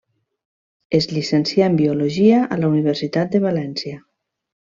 Es llicencià en biologia a la Universitat de València.